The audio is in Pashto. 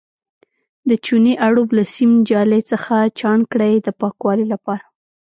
د چونې اړوب له سیم جالۍ څخه چاڼ کړئ د پاکوالي لپاره.